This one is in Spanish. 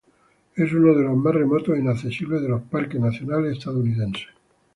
Es uno de los más remotos e inaccesibles de los parques nacionales estadounidenses.